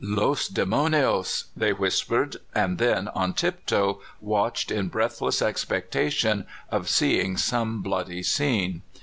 "Los demonios!" they whispered, and then on tiptoe watched in breathless expectation of seeing some bloody scene.